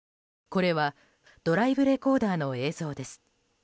これはドライブレコーダーの映像です。